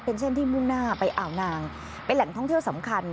เป็นเส้นที่มุ่งหน้าไปอ่าวนางเป็นแหล่งท่องเที่ยวสำคัญ